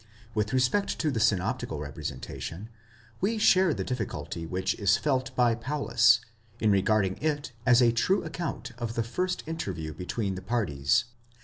With respect to the synoptical representation, we share the difficulty which is felt by Paulus, in regarding it as a true account of the first interview between the parties.